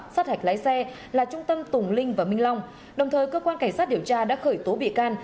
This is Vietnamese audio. sát hạch lái xe là trung tâm tùng linh và minh long đồng thời cơ quan cảnh sát điều tra đã khởi tố bị can